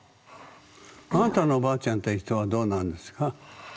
あなたのおばあちゃんという人はどうなんですか？